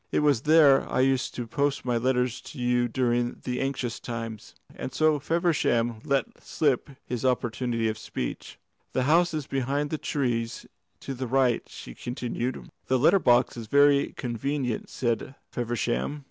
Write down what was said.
"It was there I used to post my letters to you during the anxious times." And so Feversham let slip his opportunity of speech. "The house is behind the trees to the right," she continued. "The letter box is very convenient," said Feversham.